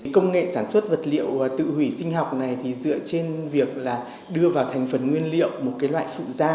công nghệ sản xuất vật liệu tự hủy sinh học này dựa trên việc đưa vào thành phần nguyên liệu một loại phụ da